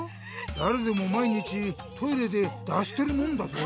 だれでも毎日トイレで出してるもんだぞ？